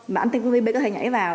mà anh tqvb có thể nhảy vào